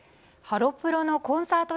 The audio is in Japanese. ハロプロのコンサート